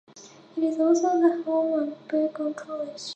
It is also the home of Beacon College.